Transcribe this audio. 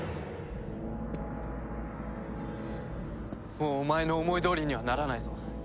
もうお前の思いどおりにはならないぞ。